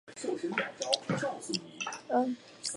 魏萨普失去了大学教职并逃离巴伐利亚。